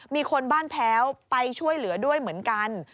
มีคนบ้านแพ้วไปช่วยเหลือด้วยเหมือนกัน